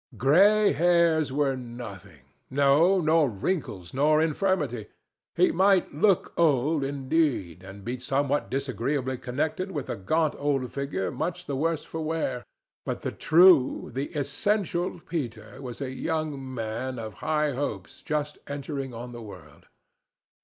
Gray hairs were nothing—no, nor wrinkles nor infirmity; he might look old, indeed, and be somewhat disagreeably connected with a gaunt old figure much the worse for wear, but the true, the essential Peter was a young man of high hopes just entering on the world.